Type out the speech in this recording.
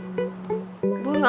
ternyata yang dibilang devon bener